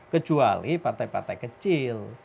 kecuali partai partai kecil